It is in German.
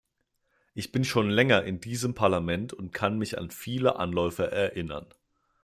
Ich bin schon länger in diesem Parlament und kann mich an viele Anläufe erinnern.